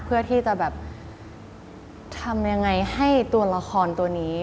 เพื่อที่จะแบบทำยังไงให้ตัวละครตัวนี้